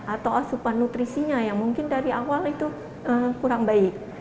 atau asupan nutrisinya yang mungkin dari awal itu kurang baik